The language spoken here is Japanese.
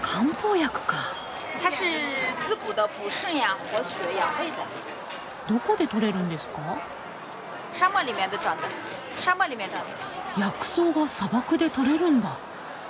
薬草が砂漠で採れるんだ。